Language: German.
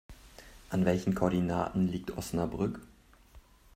An welchen Koordinaten liegt Osnabrück?